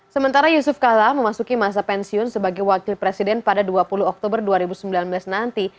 sementara yusuf kala memasuki masa pensiun sebagai wakil presiden pada dua puluh oktober dua ribu sembilan belas nanti